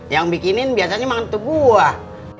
yang bikinin biasanya makan teguah